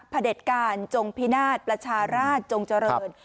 เด็จการจงพินาศประชาราชจงเจริญ